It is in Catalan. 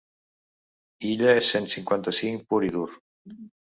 “Illa és cent cinquanta-cinc pur i dur”.